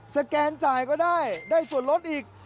แกนจ่ายก็ได้ได้ส่วนลดอีก